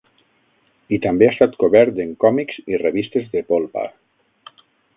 I també ha estat cobert en còmics i revistes de polpa.